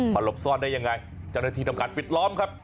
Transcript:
หลบซ่อนได้ยังไงเจ้าหน้าที่ทำการปิดล้อมครับ